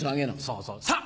そうそうさぁ